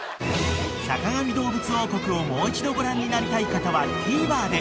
［『坂上どうぶつ王国』をもう一度ご覧になりたい方はＴＶｅｒで］